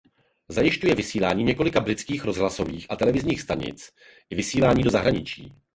Zajišťuje vysílání několika britských rozhlasových a televizních stanic i vysílání do zahraničí.